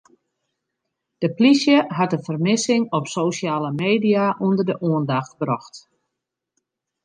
De plysje hat de fermissing op sosjale media ûnder de oandacht brocht.